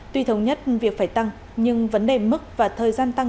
tuy thống nhất việc phải tăng nhưng vấn đề mức và thời gian tăng